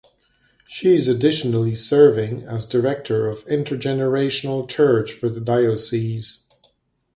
She is additionally serving as director of intergenerational church for the Diocese.